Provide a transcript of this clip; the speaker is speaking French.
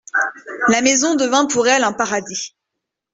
La maison devint pour elle un paradis.